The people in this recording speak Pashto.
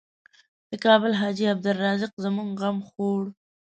د کابل حاجي عبدالرزاق زموږ غم خوړ.